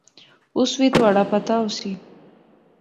اُس وی تہواڑا پتہ ہوسی